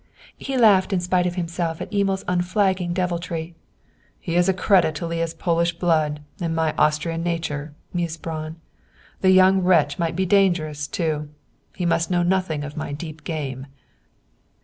He laughed in spite of himself at Emil's unflagging deviltry. "He is a credit to Leah's Polish blood and my Austrian nurture," mused Braun. "The young wretch might be dangerous, too. He must know nothing of my deep game."